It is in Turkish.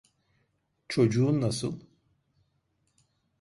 Çocuğun nasıl?